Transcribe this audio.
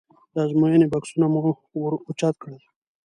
د ازموینې بکسونه مو ور اوچت کړل.